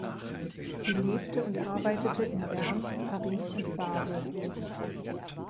Sie lebte und arbeitete in Bern, Paris und Basel.